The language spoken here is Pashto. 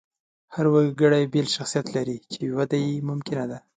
هر وګړی بېل شخصیت لري، چې وده یې ممکنه ده.